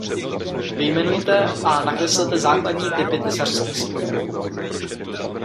Vyjmenujte a nakreslete základní typy tesařských spojů.